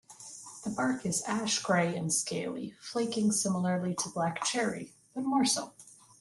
The bark is ash-gray and scaly, flaking similarly to black cherry, but more so.